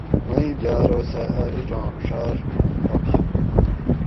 مئیم جاۤ ارو سہ اۤ ایڄاں ڛاۤر آش